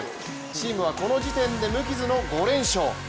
チームはこの時点で無傷の５連勝。